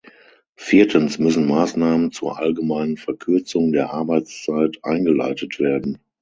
Viertens müssen Maßnahmen zur allgemeinen Verkürzung der Arbeitszeit eingeleitet werden.